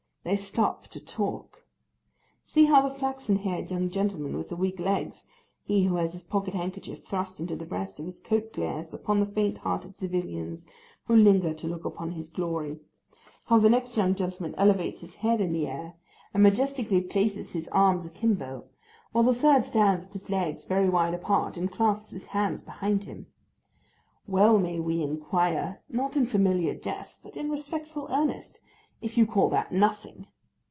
They stop to talk. See how the flaxen haired young gentleman with the weak legs—he who has his pocket handkerchief thrust into the breast of his coat glares upon the fainthearted civilians who linger to look upon his glory; how the next young gentleman elevates his head in the air, and majestically places his arms a kimbo, while the third stands with his legs very wide apart, and clasps his hands behind him. Well may we inquire—not in familiar jest, but in respectful earnest—if you call that nothing.